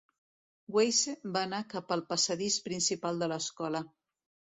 Weise va anar cap al passadís principal de l'escola.